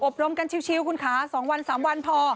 รมกันชิวคุณคะ๒วัน๓วันพอ